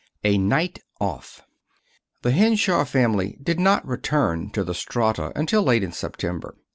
A NIGHT OFF The Henshaw family did not return to the Strata until late in September.